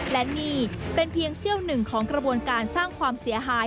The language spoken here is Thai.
และนี่เป็นเพียงเซี่ยวหนึ่งของกระบวนการสร้างความเสียหาย